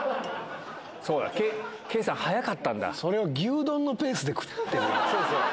そうだ、圭さん、速かったんそれを牛丼のペースで食ってそうそう。